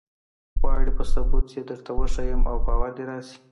غواړې په ثبوت یې درته وښیم او باور دې راشي.